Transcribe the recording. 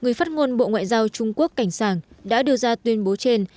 người phát ngôn bộ ngoại giao trung quốc cảnh sảng đã đưa ra tuyên bố trên